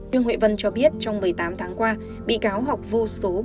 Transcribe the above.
trương huệ vân cho biết trong một mươi tám tháng qua bị cáo học vô số bài học quý giá